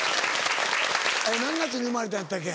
何月に生まれたんやったっけ？